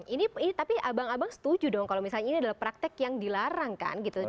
ini tapi abang abang setuju dong kalau misalnya ini adalah praktek yang dilarang kan gitu